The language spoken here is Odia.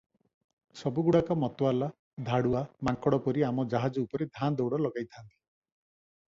ସବୁଗୁଡ଼ାକ ମତୁଆଲା, ଧାଡ଼ୁଆ ମାଙ୍କଡ ପରି ଆମ ଜାହାଜ ଉପରେ ଧାଁ ଦଉଡ଼ ଲଗାଇଥାନ୍ତି ।